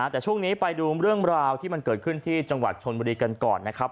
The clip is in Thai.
แต่ช่วงนี้ไปดูเรื่องราวที่มันเกิดขึ้นที่จังหวัดชนบุรีกันก่อนนะครับ